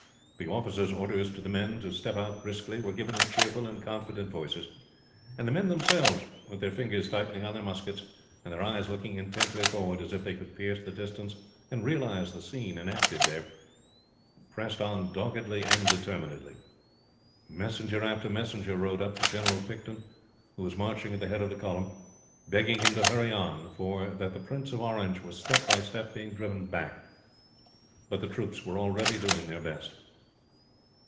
The officers' orders to the men to step out briskly were given in cheerful and confident voices, and the men themselves with their fingers tightening on their muskets, and their eyes looking intently forward as if they could pierce the distance and realize the scene enacting there pressed on doggedly and determinedly. Messenger after messenger rode up to General Picton, who was marching at the head of the column, begging him to hurry on, for that the Prince of Orange was step by step being driven back. But the troops were already doing their best.